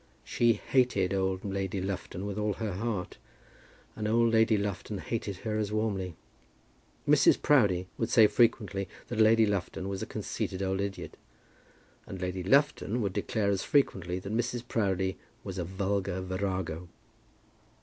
She hated old Lady Lufton with all her heart, and old Lady Lufton hated her as warmly. Mrs. Proudie would say frequently that Lady Lufton was a conceited old idiot, and Lady Lufton would declare as frequently that Mrs. Proudie was a vulgar virago.